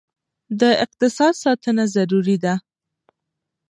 د اقتصاد ساتنه ضروري ده.